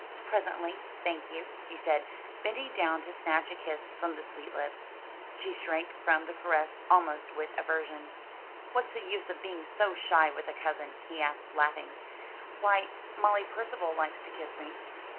"Presently, thank you," he said, bending down to snatch a kiss from the sweet lips. She shrank from the caress almost with aversion. "What's the use of being so shy with a cousin?" he asked, laughing, "why Molly Percival likes to kiss me."